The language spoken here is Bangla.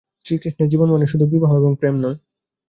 শ্রীকৃষ্ণের জীবন মানে - শুধু বিবাহ এবং প্রেম নয়।